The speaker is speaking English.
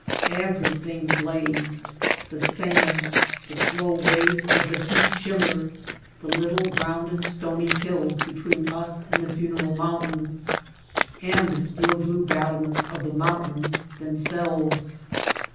Everything blazed, the sand, the slow waves of the heat shimmer, the little rounded stony hills between us and the Funeral Mountains, and the steel blue battlements of the mountains themselves.